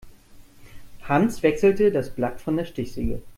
Hans wechselte das Blatt von der Stichsäge.